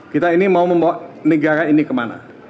kita ini mau membawa negara ini kemana